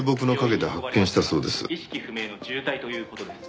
「意識不明の重体という事です」